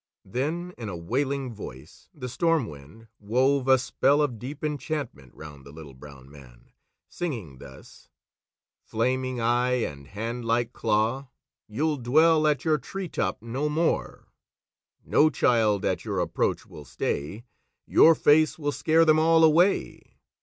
Then, in a wailing voice, the Storm Wind wove a spell of deep enchantment round the Little Brown Man, singing thus: "Flaming eye and hand like claw, You'll dwell at your tree top no more; No child at your approach will stay, Your face will scare them all away.